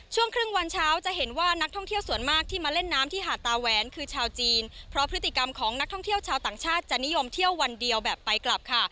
ช่วงครึ่งวันเช้าจะเห็นว่านักท่องเที่ยวส่วนมากที่มาเล่นน้ำที่หาดตาแหวนคือชาวจีนเพราะพฤติกรรมของนักท่องเที่ยวชาวต่างชาติจะนิยมเที่ยววันเดียวแบบไปกลับค่ะ